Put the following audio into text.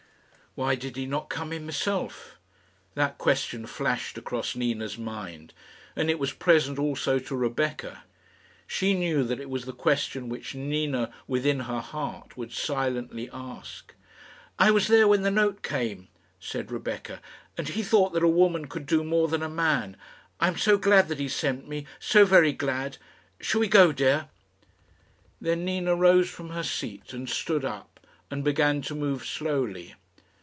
Why did he not come himself? That question flashed across Nina's mind, and it was present also to Rebecca. She knew that it was the question which Nina, within her heart, would silently ask. "I was there when the note came," said Rebecca, "and he thought that a woman could do more than a man. I am so glad he sent me so very glad. Shall we go, dear?" Then Nina rose from her seat, and stood up, and began to move slowly.